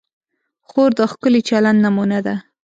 خور د ښکلي چلند نمونه ده.